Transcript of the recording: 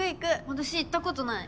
私行ったことない。